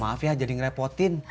maaf ya jadi ngerepotin